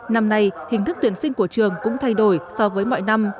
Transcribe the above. năm nay hình thức tuyển sinh của trường cũng thay đổi so với mọi năm